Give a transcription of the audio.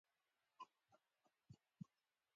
خرما د معدې د ستونزو حل کوي.